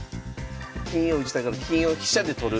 金を打ちだから金を飛車で取る。